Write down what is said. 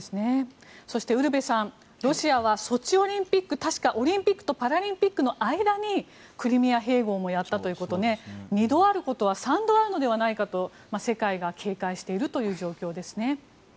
そして、ウルヴェさんロシアはソチオリンピック確かオリンピックとパラリンピックの間にクリミア併合もやったということで二度あることは三度あるのではないかと世界が警戒しているという状況ですね。